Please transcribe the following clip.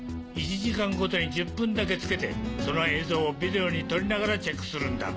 １時間ごとに１０分だけつけてその映像をビデオに撮りながらチェックするんだ。